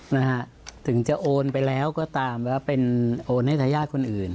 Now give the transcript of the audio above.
นะฮะถึงจะโอนไปแล้วก็ตามแล้วเป็นโอนให้ทายาทคนอื่น